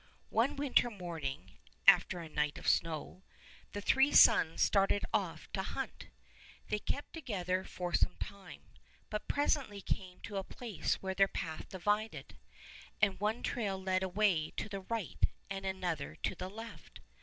One winter morning, after a night of snow, the three sons started off to hunt. They kept together for some time, but presently came to a place where their path divided, and one trail led away to the right and another to the left.